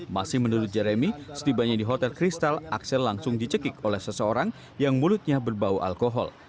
masih menurut jeremy setibanya di hotel kristal axel langsung dicekik oleh seseorang yang mulutnya berbau alkohol